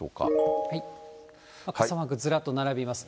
傘マークずらっと並びます。